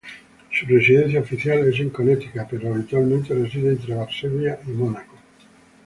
Su residencia oficial es en Connecticut, pero habitualmente reside entre Varsovia y Mónaco.